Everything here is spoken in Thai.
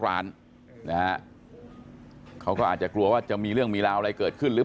ร้านนะฮะเขาก็อาจจะกลัวว่าจะมีเรื่องมีราวอะไรเกิดขึ้นหรือ